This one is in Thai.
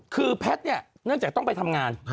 คือแพทย์เนี่ยเนื่องจากต้องไปทำงาน